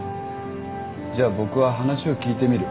じゃあ僕は話を聞いてみる。